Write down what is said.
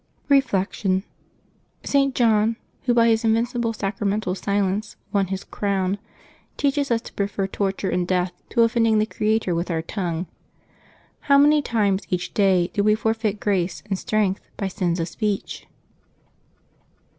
Reflection. — St. John, who by his invincible sacramental silence won his crown, teaches us to prefer torture and death to offending the Creator with our tongue. How many times each day do we forfeit grace and strength by sins of speech!